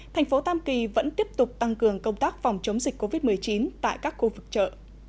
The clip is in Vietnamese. thành phố tam kỳ vẫn tiếp tục tăng cường công tác phòng chống dịch covid một mươi chín tại các khu vực chợ